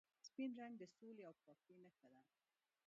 سپین رنګ د سولې او پاکۍ نښه ده.